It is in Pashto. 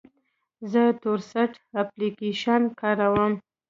زه تورسټ اپلیکیشن کاروم.